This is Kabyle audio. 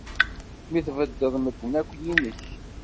Mi tbeddeḍ medden akk yinek.